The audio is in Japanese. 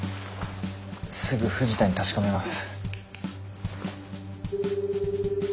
すぐ藤田に確かめます。